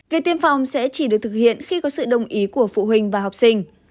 việc tiêm phòng sẽ chỉ được thực hiện khi có sự đồng ý của phụ huynh và học sinh